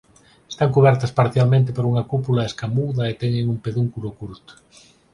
Están cubertas parcialmente por unha cúpula escamuda e teñen un pedúnculo curto.